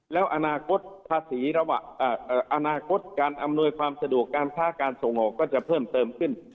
และอนาคตการอำนวยความสะดวกการค้าส่งโหมก็จะเพิ่มเติมขึ้น